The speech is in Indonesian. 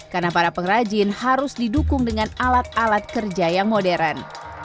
karena para pengrajin harus didukung dengan alat alat kerja yang modern